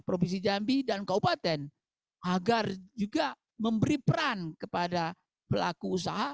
provinsi jambi dan kaupaten agar juga memberi peran kepada pelaku usaha